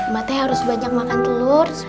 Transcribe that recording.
bate harus banyak makan telur